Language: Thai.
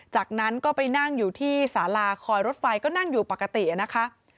จากนั้นก็ไปนั่งอยู่ที่สาราคอยรถไฟก็นั่งอยู่ปกตินะคะ